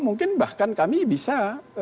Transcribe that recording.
mungkin bahkan kami bisa